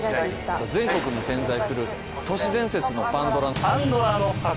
全国に点在する都市伝説のパンドラの。